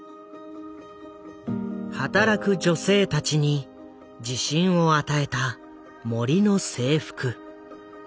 働く女性たちに自信を与えた森の制服。